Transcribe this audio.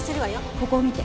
ここを見て。